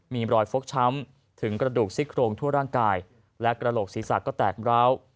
มีรอยฟกช้ำถึงกระดูกซี่โครงทั่วร่างกายและกระโหลกศีรษะก็แตกร้าว